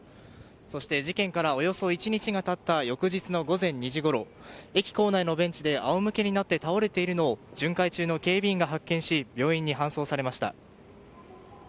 そして事件からおよそ１日が経った翌日の午前２時ごろ駅構内のベンチで仰向けになって倒れているのを巡回中の警備員が発見し病院に搬送されました。